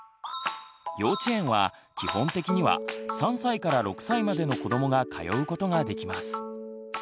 幼稚園は基本的には３６歳までの子どもが通うことができます。